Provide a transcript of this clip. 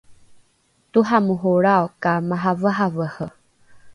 toramorolrao ka maraveravere